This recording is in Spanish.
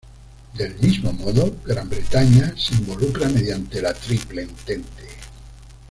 Del mismo modo, Gran Bretaña se involucra mediante la Triple Entente.